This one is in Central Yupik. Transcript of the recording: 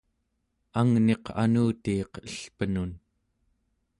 angniq anutiiq elpenun